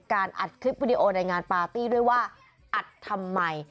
อัดคลิปวิดีโอในงานปาร์ตี้ด้วยว่าอัดทำไม